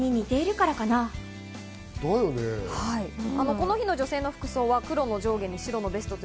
この日の女性の服装は黒の上下に白のベスト。